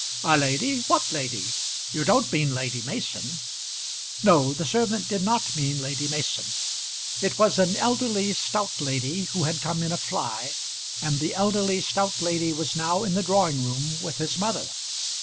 "A lady! what lady? You don't mean Lady Mason?" No. The servant did not mean Lady Mason. It was an elderly stout lady who had come in a fly, and the elderly stout lady was now in the drawing room with his mother.